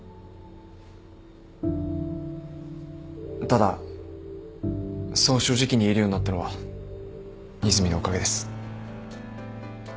ただそう正直に言えるようになったのは和泉のおかげです。